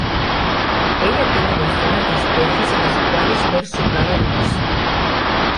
Ella tiene docenas de espejos en los cuales ver su cara hermosa.